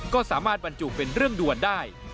ก็สามารถบรรจุเป็นเรื่องด่วนได้